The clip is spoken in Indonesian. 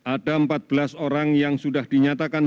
ada empat belas orang yang sudah dinyatakan